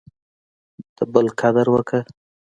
د بل قدر وکړه.